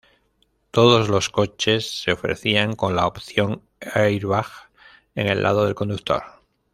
Todos los coches se ofrecían con la opción airbag en el lado del conductor.